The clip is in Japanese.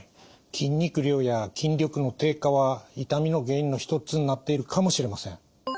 筋肉量や筋力の低下は痛みの原因の一つになっているかもしれません。